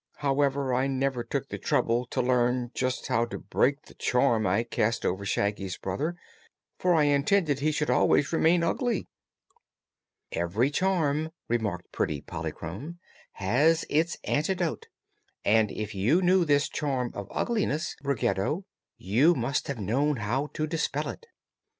However, I never took the trouble to learn just how to break the charm I cast over Shaggy's brother, for I intended he should always remain ugly." "Every charm," remarked pretty Polychrome, "has its antidote; and, if you knew this charm of ugliness, Ruggedo, you must have known how to dispel it."